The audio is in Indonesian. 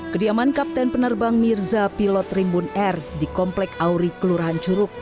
kediaman kapten penerbang mirza pilot rimbun air di komplek auri kelurahan curug